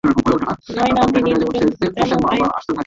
নায়না, তুমি জানো আইন আবেগে কাজ করে না।